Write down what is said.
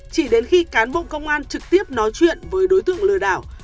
chỉ đến khi cán bộ công an trực tiếp nói chuyện với đối tượng lừa đảo